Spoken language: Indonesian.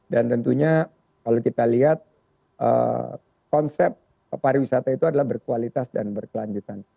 dan tentunya kalau kita lihat konsep pariwisata itu adalah berkualitas dan berkelanjutan